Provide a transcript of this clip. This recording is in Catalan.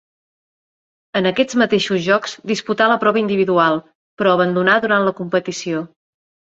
En aquests mateixos Jocs disputà la prova individual, però abandonà durant la competició.